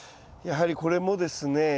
やはりこれもですね